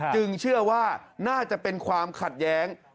เชื่อว่าน่าจะเป็นความขัดแย้ง